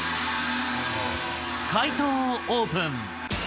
解答をオープン。